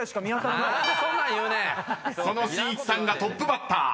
［そのしんいちさんがトップバッター。